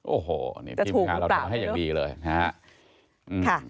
โอ้โหนี่พี่มีขาเราเทาให้อย่างดีเลยนะฮะค่ะจะถูกหรือเปล่า